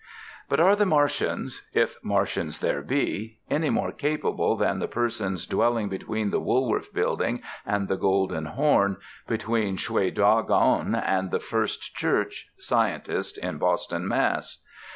But are the Martians ... if Martians there be ... any more capable than the persons dwelling between the Woolworth Building and the Golden Horn, between Shwe Dagon and the First Church, Scientist, in Boston, Mass.?